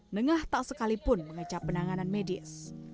nengah tak sekalipun mengecap penanganan medis